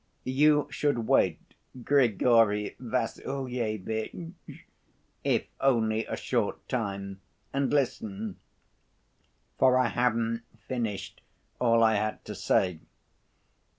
"You should wait, Grigory Vassilyevitch, if only a short time, and listen, for I haven't finished all I had to say.